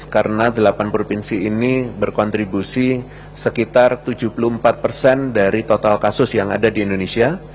karena delapan provinsi ini berkontribusi sekitar tujuh puluh empat persen dari total kasus yang ada di indonesia